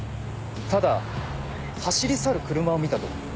ただ走り去る車を見たと。